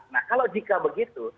nah kalau jika begitu